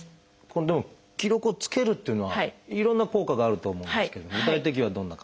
でも記録をつけるっていうのはいろんな効果があると思うんですけど具体的にはどんな感じでしょう？